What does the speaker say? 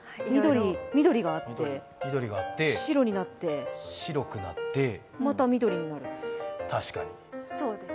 緑があって、白になって、また緑になる。